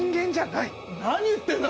何言ってんだ？